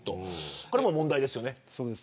これも問題ですよね。